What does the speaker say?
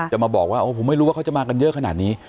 จะมาบอกว่าผมไม่รู้ว่าเขาจะมากันเยอะขนาดนี้